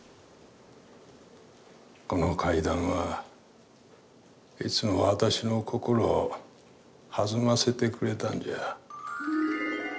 この階段はいつも私の心を弾ませてくれたんじゃ。